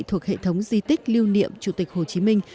thuộc hệ thống di tích lưu niệm chủ tịch hồ chí minh